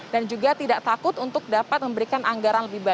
dan juga tidak takut untuk dapat memberikan anggaran lebih banyak